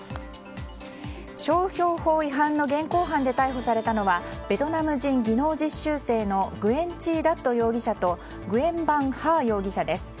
商標法違反の現行犯で逮捕されたのはベトナム人技能実習生のグエン・チー・ダット容疑者とグエン・ヴァン・ハー容疑者です。